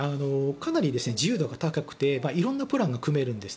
かなり自由度が高くて色んなプランが組めるんです。